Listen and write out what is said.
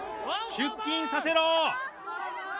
出勤させろ！